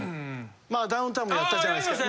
まあダウンタウンもやったじゃないですか。